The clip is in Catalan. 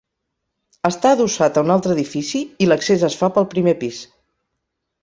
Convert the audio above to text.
Està adossat a un altre edifici i l'accés es fa pel primer pis.